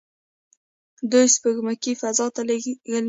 دوی سپوږمکۍ فضا ته لیږلي.